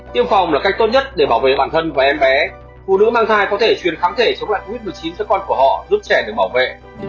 tiêm phòng là cách tốt nhất để bảo vệ bản thân và em bé phụ nữ mang thai có thể truyền kháng thể chống lại covid một mươi chín cho con của họ giúp trẻ được bảo vệ